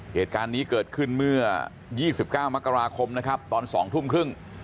เหตุการณ์นี้เกิดขึ้นเมื่อ๒๙มกราคมนะครับตอน๒ทุ่มครึ่ง